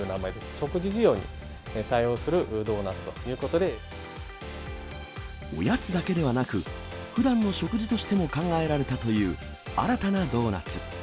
食事需要に対応するドーナツといおやつだけではなく、ふだんの食事としても考えられたという、新たなドーナツ。